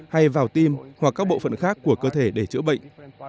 hay vào tim hoặc các bộ phận khác của cơ thể để chữa bệnh